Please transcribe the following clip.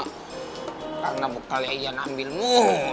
karena bukalnya iyan ambil mulu